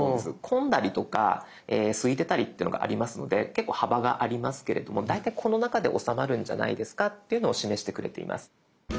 混んだりとかすいてたりっていうのがありますので結構幅がありますけれども大体この中で収まるんじゃないですかっていうのを示してくれています。